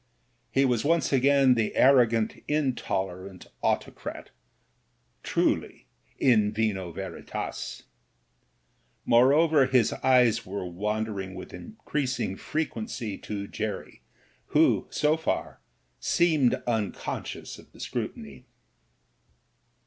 He was once again the arrogant, intolerant auto crat — ^truly, in vino Veritas, Moreover, his eyes were wandering with increasing frequency to Jerry, who, so far, seemed unconscious of the scrutiny.